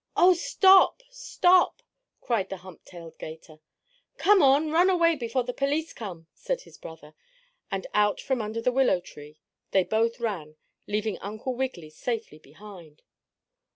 "Oh, stop! Stop!" cried the hump tailed 'gator. "Come on, run away before the police come!" said his brother. And out from under the willow tree they both ran, leaving Uncle Wiggily safely behind.